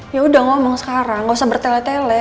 yaudah ngomong sekarang gak usah bertele tele